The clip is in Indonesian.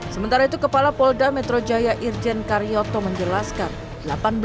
sementara itu kepala polda metro jaya irjen karyoto menjelaskan